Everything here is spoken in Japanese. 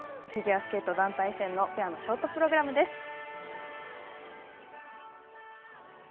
フィギュアスケート団体戦のペアのショートプログラムです。